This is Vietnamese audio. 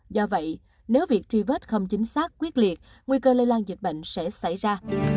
do vậy nếu việc truy vết không chính xác quyết liệt nguy cơ lây lan dịch bệnh sẽ xảy ra